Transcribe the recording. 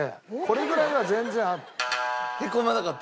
これぐらいは全然ある。